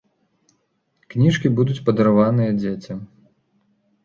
Кніжкі будуць падараваныя дзецям.